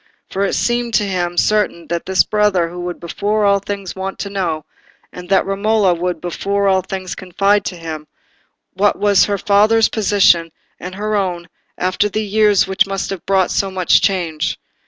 For it seemed to him certain that this brother would before all things want to know, and that Romola would before all things confide to him, what was her father's position and her own after the years which must have brought so much change.